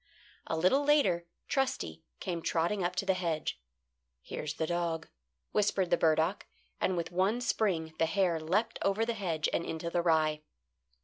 A little later Trusty came trotting up to the hedge. "Here's the dog," whispered the burdock, and with one spring the hare leapt over the hedge and into the rye.